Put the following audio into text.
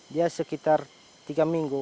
dia sekitar tiga minggu